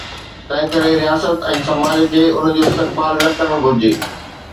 تنهنڪري رياست ۽ سماج کي ان جو استقبال نه ڪرڻ گهرجي.